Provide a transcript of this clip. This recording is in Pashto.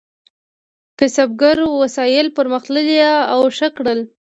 کسبګرو وسایل پرمختللي او ښه کړل.